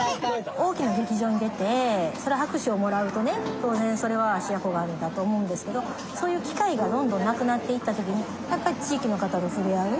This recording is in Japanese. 大きな劇場に出てそりゃ拍手をもらうとね当然それは芦屋小雁だと思うんですけどそういう機会がどんどんなくなっていった時にやっぱり地域の方と触れ合う。